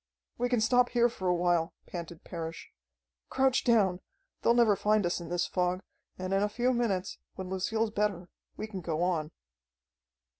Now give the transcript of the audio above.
"We can stop here for a while," panted Parrish. "Crouch down! They'll never find us in this fog, and in a few minutes, when Lucille's better, we can go on."